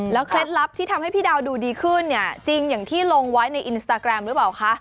เคล็ดลับที่ทำให้พี่ดาวดูดีขึ้นเนี่ยจริงอย่างที่ลงไว้ในอินสตาแกรมหรือเปล่าคะ